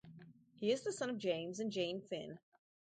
He is the son of James and Jane Finn.